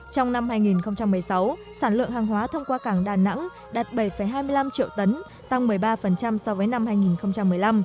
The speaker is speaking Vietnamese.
trong năm hai nghìn một mươi sáu sản lượng hàng hóa thông qua cảng đà nẵng đạt bảy hai mươi năm triệu tấn tăng một mươi ba so với năm hai nghìn một mươi năm